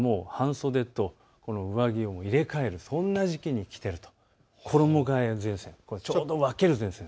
ですから半袖と上着を入れ替えるそんな時期にきていると、衣がえ前線です。